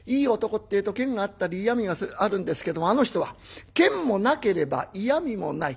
ってえと険があったり嫌みがあるんですけどもあの人は険もなければ嫌みもない。